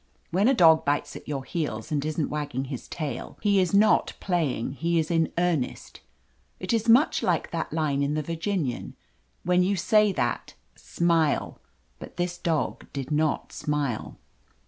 (When a dog bites at your heels, and isn't wagging his tail, he is not playing ; he is in earnest. It is much like that line in The Virginian — "When you say that, smile!'* . But this dog did not smile.)